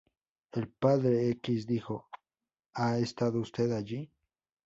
El Padre X dijo: "¿Ha estado usted allí?